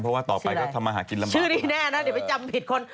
เพราะว่าต่อไปก็ทำมาหากินลำบากชื่อดีแน่นะเดี๋ยวไปจำผิดคน